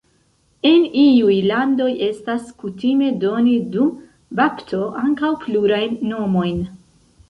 En iuj landoj estas kutime doni dum bapto ankaŭ plurajn nomojn.